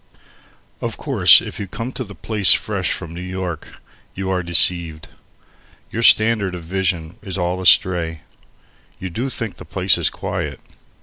Of course if you come to the place fresh from New York, you are deceived. Your standard of vision is all astray, You do think the place is quiet.